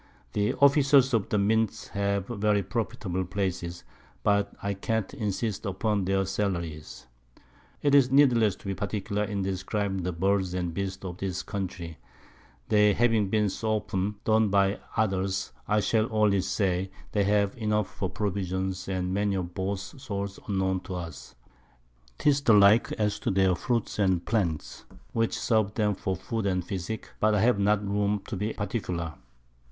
The Officers of the Mint have very profitable Places, but I can't insist upon their Sallaries. 'Tis needless to be particular in describing the Birds and Beasts of this Country; they having been so often done by others, I shall only say, they have enough for Provisions, [Sidenote: Mexico Described.] and many of both sorts unknown to us. 'Tis the like as to their Fruits and Plants, which serve them for Food and Physick; but I have not room to be particular.